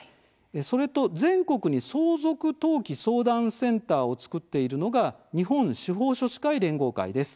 それと全国に相続登記相談センターを作っているのが日本司法書士会連合会です。